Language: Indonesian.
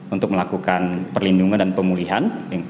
untuk melakukan perlindungan dan pemulihan